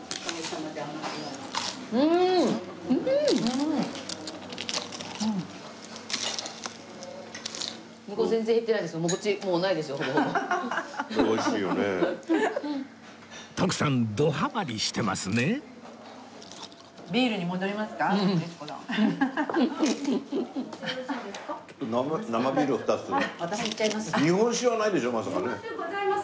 まさかね。